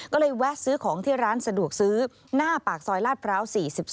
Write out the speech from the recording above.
ก็เลยแวะซื้อของที่ร้านสะดวกซื้อหน้าปากซอยลาดพร้าว๔๒